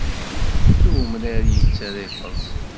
I umrar yettara i feẓ.